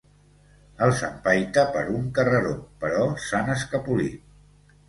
Els empaita per un carreró, però s'han escapolit.